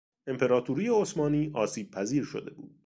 امپراطوری عثمانی آسیبپذیر شده بود.